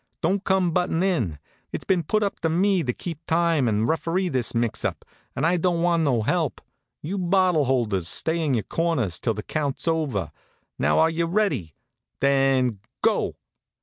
Don't come buttin' in. It's been put up to me to keep time an' referee this mix up, and I don't want no help. You bottle holders stay in your corners till the count's over. Now are you ready? Then go!"